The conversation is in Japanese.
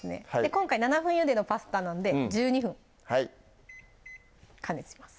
今回７分ゆでのパスタなんで１２分はい加熱します